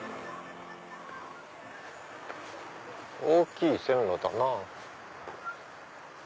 大きい線路だな。